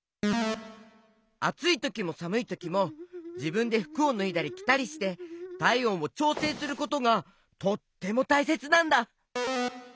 あついときもさむいときもじぶんでふくをぬいだりきたりしてたいおんをちょうせいすることがとってもたいせつなんだ。